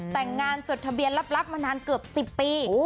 แต่งงานจดทะเบียนลับมานานเกือบ๑๐ปี